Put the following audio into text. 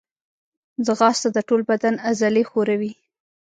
ځغاسته د ټول بدن عضلې ښوروي